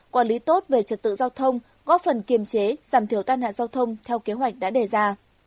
quản lý tốt về trật tự giao thông góp phần kiềm chế giảm thiểu tai nạn giao thông theo kế hoạch đã đề ra